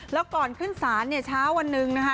แล้วก่อนขึ้นศาลเนี่ยเช้าวันหนึ่งนะคะ